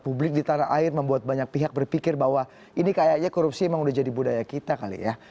publik di tanah air membuat banyak pihak berpikir bahwa ini kayaknya korupsi memang udah jadi budaya kita kali ya